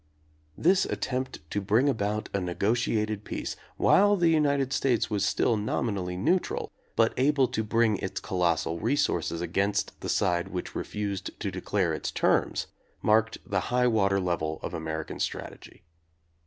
This attempt to bring about a negotiated peace, while the United States was still nominally neu tral, but able to bring its colossal resources against the side which refused to declare its terms, marked the highwater level of American strategy.